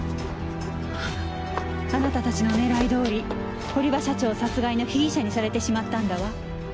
あなたたちの狙いどおり堀場社長殺害の被疑者にされてしまったんだわ。